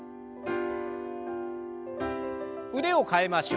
腕を替えましょう。